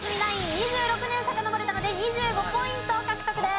２６年さかのぼれたので２５ポイント獲得です。